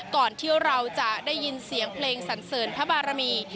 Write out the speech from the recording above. ก่อนที่เราจะได้ยินเสียงเพลงสันเสริญพระบารมี